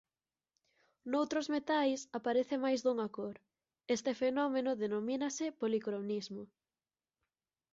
Noutros metais aparece máis dunha cor; este fenómeno denomínase policromismo.